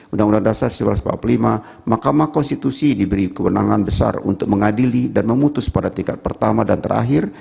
uu dasar sebelas empat lima mahkamah konstitusi diberi kewenangan besar untuk mengadili dan memutus pada tingkat pertama dan terakhir